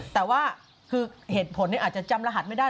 แต่ว่าคือเหตุผลอาจจะจำรหัสไม่ได้